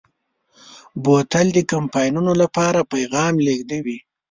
بوتل د کمپاینونو لپاره پیغام لېږدوي.